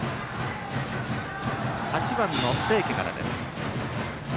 ８番の清家からです。